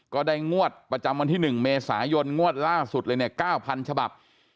ก็ได้งวดประจำวันที่๑เมษายนงวดล่าสุดเลยเนี่ย๙๐๐ฉบับ